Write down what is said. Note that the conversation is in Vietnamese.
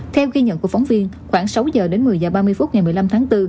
theo ghi nhận của phóng viên khoảng sáu giờ đến một mươi h ba mươi phút ngày một mươi năm tháng bốn